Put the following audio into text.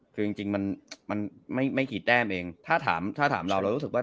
คือจริงมันไม่กี่แต้มเองถ้าถามถ้าถามเราเรารู้สึกว่า